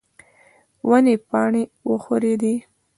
ونې پاڼې وښورېدې.